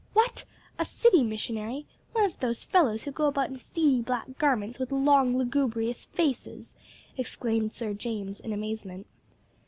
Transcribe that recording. "What! A city missionary? One of those fellows who go about in seedy black garments with long lugubrious faces?" exclaimed Sir James in amazement.